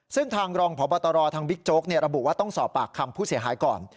ซึ่งทางรองพบตรทางบิ๊กโจ๊กระบุว่าต้องสอบปากคำผู้เสียหายก่อน